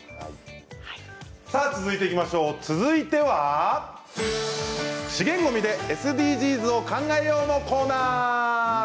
続いては「資源ごみでＳＤＧｓを考えよう！」のコーナー。